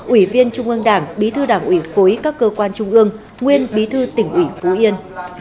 ủy viên trung ương đảng bí thư đảng ủy khối các cơ quan trung ương nguyên bí thư tỉnh ủy phú yên